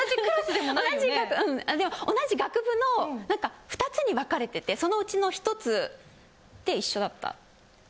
うんでも同じ学部の何か２つに分かれててそのうちの１つで一緒だった。